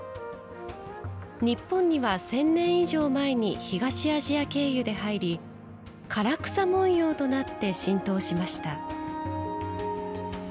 日本には１０００年以上前に東アジア経由で入り唐草文様となって浸透しました。